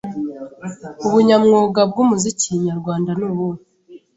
ubunyamwuga bw’umuziki Nyarwanda nubuhe